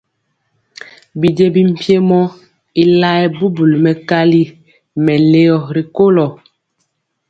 Bijiémbi mpiemɔ y laɛɛ bubuli mɛkali mɛlɔ ri kolo.